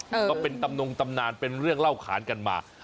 ก็เป็นตำนงตำนานเป็นเรื่องเล่าขานกันมา